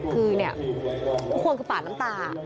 ควรคือปากน้ำตา